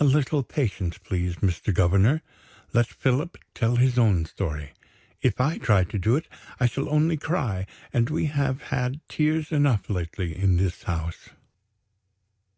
"A little patience, please, Mr. Governor; let Philip tell his own story. If I try to do it, I shall only cry and we have had tears enough lately, in this house."